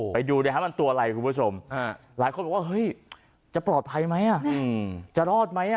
ไปดูเลยครับมันตัวอะไรคุณผู้ชมหลายคนบอกว่าเฮ้ยจะปลอดภัยไหมจะรอดไหม